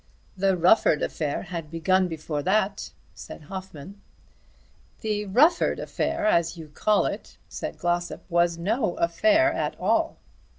"The Rufford affair had begun before that," said Hoffmann. "The Rufford affair as you call it," said Glossop, "was no affair at all."